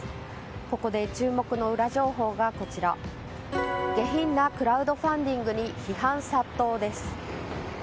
ここで注目のウラ情報が下品なクラウドファンディングに批判殺到です。